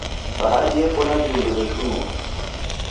Bahari yeko na viumbe veshunua.